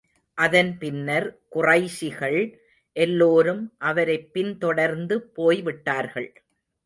அதன் பின்னர், குறைஷிகள் எல்லோரும் அவரைப் பின் தொடர்ந்து போய் விட்டார்கள்.